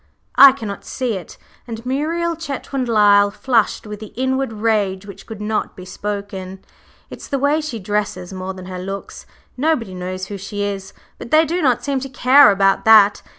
"I cannot see it!" and Muriel Chetwynd Lyle flushed with the inward rage which could not be spoken. "It's the way she dresses more than her looks. Nobody knows who she is but they do not seem to care about that.